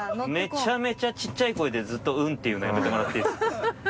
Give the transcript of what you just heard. めちゃめちゃ小っちゃい声でずっと「うん」って言うのやめてもらっていい？